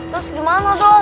terus gimana son